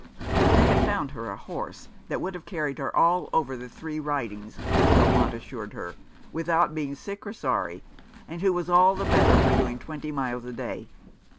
They had found her a horse that would have carried her all over the three Ridings, Wilmot assured her, "without being sick or sorry," and who was all the better for doing twenty miles a day.